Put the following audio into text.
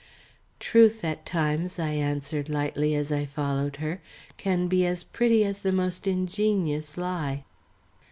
"Truth at times," I answered lightly as I followed her, "can be as pretty as the most ingenious lie."